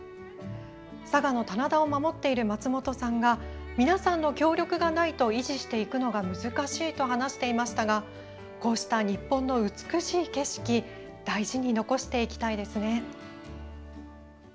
佐賀の棚田を守っている松本さんが「皆さんの協力がないと維持していくのが難しい」と話していましたがこうした日本の美しい景色大事に残していきたいですね。